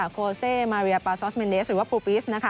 โคเซมาเรียปาซอสเมนเดสหรือว่าปูปิส